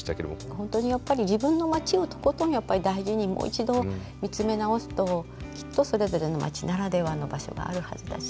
本当にやっぱり自分の町をとことん大事にもう一度見つめ直すときっとそれぞれの町ならではの場所があるはずだし。